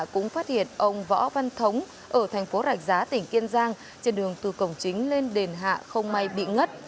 cũng phát hiện ông võ văn thống ở thành phố rạch giá tỉnh kiên giang trên đường từ cổng chính lên đền hạ không may bị ngất